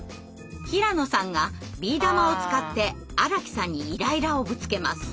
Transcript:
平野さんがビー玉を使って荒木さんにイライラをぶつけます。